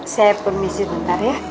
saya permisi bentar ya